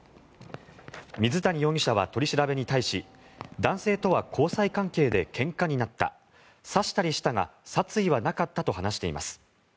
水谷容疑者は取り調べに対し男性とは交際関係でけんかになった刺したりしたが殺意はなかったと話しています。